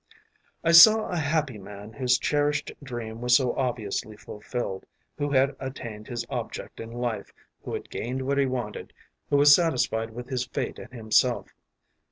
’ “I saw a happy man whose cherished dream was so obviously fulfilled, who had attained his object in life, who had gained what he wanted, who was satisfied with his fate and himself.